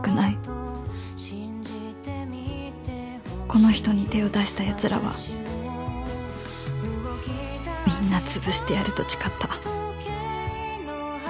この人に手を出した奴らはみんな潰してやると誓った